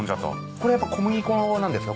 これやっぱ小麦粉なんですか？